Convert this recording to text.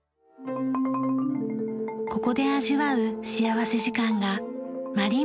ここで味わう幸福時間がマリンバの演奏です。